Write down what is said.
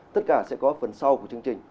tất cả sẽ có phần sau của chương trình